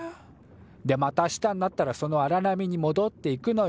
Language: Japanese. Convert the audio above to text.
でまた明日になったらそのあら波にもどっていくのよ。